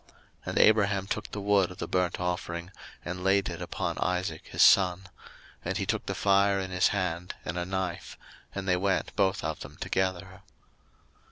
01:022:006 And Abraham took the wood of the burnt offering, and laid it upon Isaac his son; and he took the fire in his hand, and a knife; and they went both of them together.